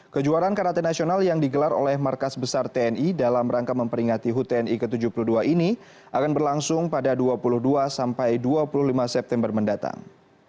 kejuaraan karate nasional yang digelar oleh markas besar tni dalam rangka memperingati hut tni ke tujuh puluh dua ini akan berlangsung pada dua puluh dua sampai dua puluh lima september mendatang